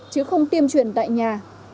chứ không tiêm truyền tại nhà